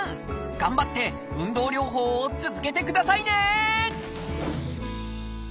頑張って運動療法を続けてくださいね！